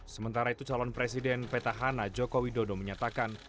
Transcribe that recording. sementara itu calon presiden petahana jokowi dodo menyatakan